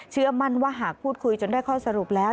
เชื่อมั่นว่าหากพูดคุยจนได้ข้อสรุปแล้ว